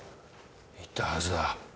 言ったはずだ。